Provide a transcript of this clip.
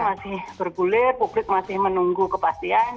masih bergulir publik masih menunggu kepastian